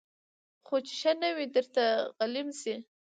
خو چي ښه نه وي درته غلیم سي